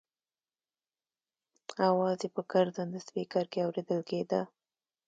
اواز یې په ګرځنده سپېکر کې اورېدل کېده.